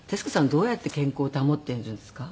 どうやって健康を保っているんですか？